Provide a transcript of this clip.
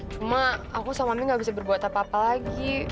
cuma aku sama mi gak bisa berbuat apa apa lagi